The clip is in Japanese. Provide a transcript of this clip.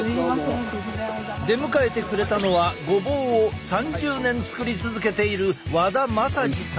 出迎えてくれたのはごぼうを３０年作り続けている和田政司さん。